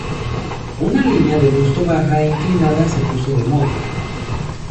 Una línea de busto baja e inclinada se puso de moda.